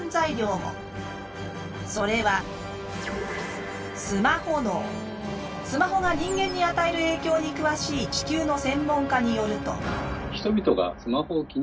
それはスマホが人間に与える影響に詳しい地球の専門家によると。